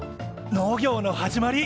農業の始まり！